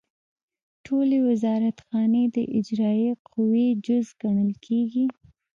ټولې وزارتخانې د اجرائیه قوې جز ګڼل کیږي.